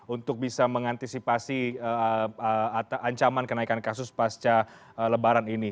untuk bisa mengantisipasi ancaman kenaikan kasus pasca lebaran ini